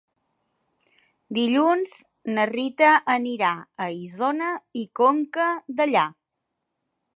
Dilluns na Rita anirà a Isona i Conca Dellà.